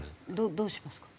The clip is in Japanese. どうしますか？